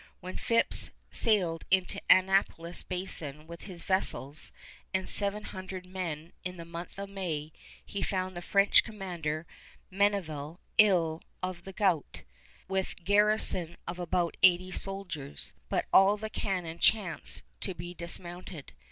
When Phips sailed into Annapolis Basin with his vessels and seven hundred men in the month of May, he found the French commander, Meneval, ill of the gout, with a garrison of about eighty soldiers, but all the cannon chanced to be dismounted.